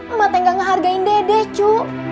emak teh gak ngehargain dede cu